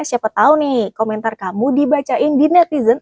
siapa tahu nih komentar kamu dibacain di netizen